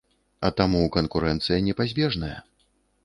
А таму канкурэнцыя непазбежная.